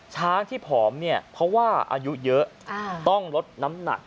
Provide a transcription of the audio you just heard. ช้างที่ผอมเนี่ยเพราะว่าอายุเยอะต้องลดน้ำหนัก